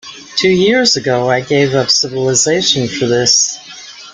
Two years ago I gave up civilization for this.